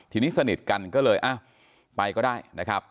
ทีนี้สนิทกันก็เลยอ้าวไปก็ได้นะครับ